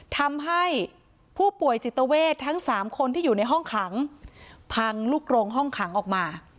ทำให้ผู้ป่วยจิตเวททั้ง๓คนที่อยู่ในห้องขังพังลูกโรงห้องขังออกมา